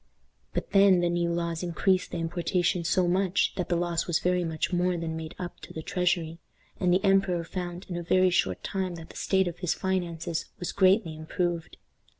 But then the new laws increased the importations so much, that the loss was very much more than made up to the treasury, and the emperor found in a very short time that the state of his finances was greatly improved.